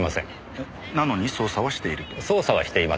えなのに捜査はしていると。